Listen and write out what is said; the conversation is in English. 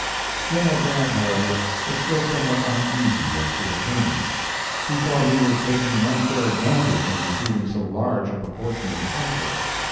General Grant, however, was still somewhat uneasy as to the terms. He thought he was taking an unfair advantage in receiving so large a proportion of the profits.